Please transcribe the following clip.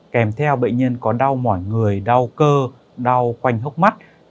kèm theo bệnh nhân có đau mỏi người đau cơ đau quanh hốc mắt